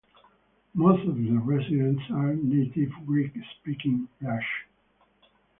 Most of the residents are native Greek speaking Vlachs.